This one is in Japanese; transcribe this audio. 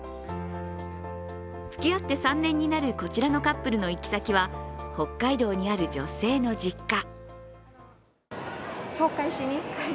つきあって３年になるこちらのカップルの行き先は北海道にある女性の実家。